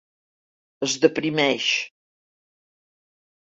Es deprimeix.